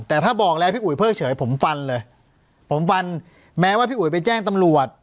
แต่ถ้าบอกแล้วพี่อุ๋ยเพิ่งเฉยผมฟันเลยผมฟันแม้ว่าพี่อุ๋ยไปแจ้งตำรวจ